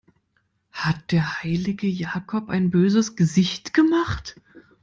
Hat der heilige Jakob ein böses Gesicht gemacht?